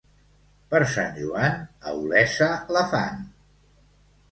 Per Sant Joan, a Olesa la fan.